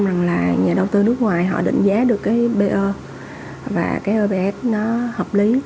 rằng là nhà đầu tư nước ngoài họ định giá được cái be và cái ebs nó hợp lý